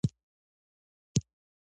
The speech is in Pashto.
د هغه لومړی معاون امرالله صالح